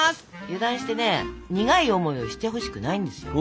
油断してね苦い思いをしてほしくないんですよ。